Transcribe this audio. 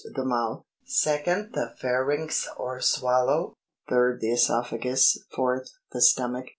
The mouth, 2nd. The pharynx or swallow 3rd. The (Esophagus. 4th. The Stomach.